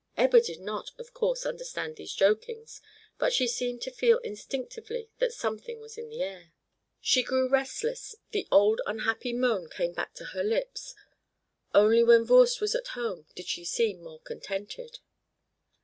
Ebba did not, of course, understand these jokings, but she seemed to feel instinctively that something was in the air. She grew restless, the old unhappy moan came back to her lips; only when Voorst was at home did she seem more contented.